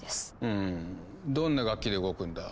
うむどんな楽器で動くんだ？